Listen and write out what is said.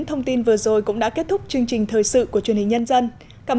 thông tin vừa rồi cũng đã kết thúc chương trình thời sự của truyền hình nhân dân cảm